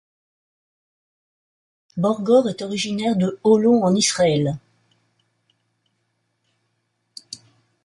Borgore est originaire de Holon, en Israël.